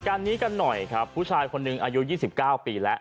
การนี้กันหน่อยครับผู้ชายคนหนึ่งอายุยี่สิบเก้าปีและ